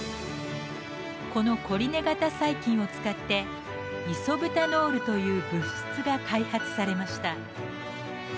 このコリネ型細菌を使って「イソブタノール」という物質が開発されました。